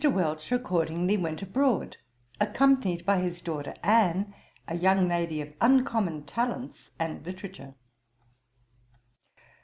Welch accordingly went abroad, accompanied by his daughter Anne, a young lady of uncommon talents and literature.